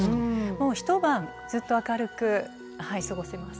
もう一晩ずっと明るく過ごせます。